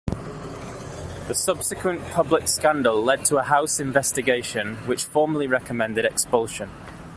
The subsequent public scandal led to a House investigation, which formally recommended expulsion.